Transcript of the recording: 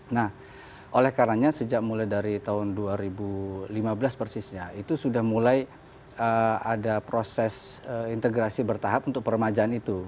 nah oleh karenanya sejak mulai dari tahun dua ribu lima belas persisnya itu sudah mulai ada proses integrasi bertahap untuk permajaan itu